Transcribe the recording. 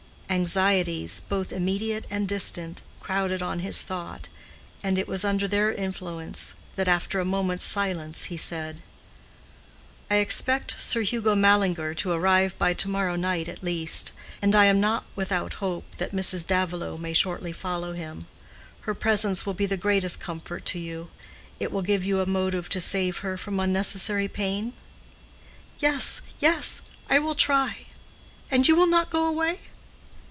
Anxieties, both immediate and distant, crowded on his thought, and it was under their influence that, after a moment's silence, he said, "I expect Sir Hugo Mallinger to arrive by to morrow night at least; and I am not without hope that Mrs. Davilow may shortly follow him. Her presence will be the greatest comfort to you—it will give you a motive to save her from unnecessary pain?" "Yes, yes—I will try. And you will not go away?"